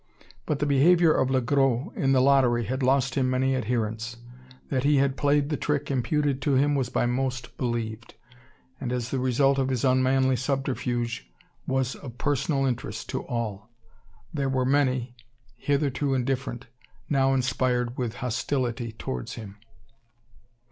But the behaviour of Le Gros in the lottery had lost him many adherents. That he had played the trick imputed to him was by most believed; and as the result of his unmanly subterfuge was of personal interest to all, there were many, hitherto indifferent, now inspired with hostility towards him.